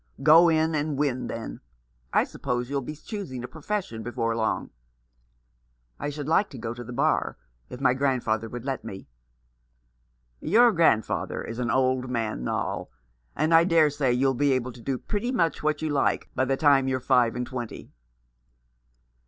"Go in and win, then. I suppose you'll be choosing a profession before long ?"" I should like to go to the Bar, if my grand father would let me." "Your grandfather is an old man, Noll, and I dare say you'll be able to do pretty much what you like by the time you're five and twenty."